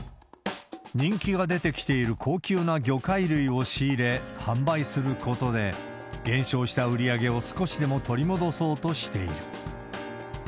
人気が出てきている高級な魚介類を仕入れ、販売することで、減少した売り上げを少しでも取り戻そうとしている。